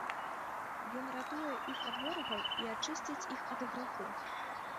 Ён ратуе іх ад ворагаў і ачысціць іх ад граху.